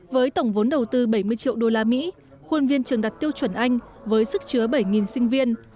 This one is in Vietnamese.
với tổng vốn đầu tư bảy mươi triệu đô la mỹ khuôn viên trường đặt tiêu chuẩn anh với sức chứa bảy sinh viên